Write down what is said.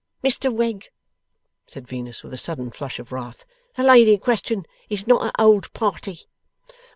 'Mr Wegg!' said Venus, with a sudden flush of wrath. 'The lady in question is not a old party.